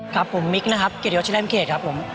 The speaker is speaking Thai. ครับผมมิคนะครับเกรียดยอดชีวิตแรมเกรดครับผม